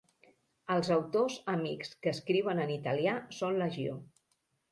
Els autors amics que escriuen en italià són legió.